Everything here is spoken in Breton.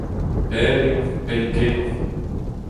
Pell eo, pell-kenañ.